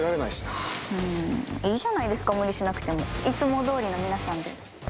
いいじゃないですか無理しなくていつも通りの皆さんで。